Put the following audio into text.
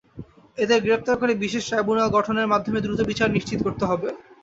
এদের গ্রেপ্তার করে বিশেষ ট্রাইব্যুনাল গঠনের মাধ্যমে দ্রুত বিচার নিশ্চিত করতে হবে।